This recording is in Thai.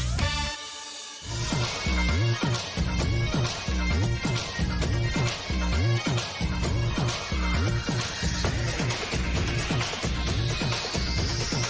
สวัสดีครับมาเจอกับแฟแล้วนะครับ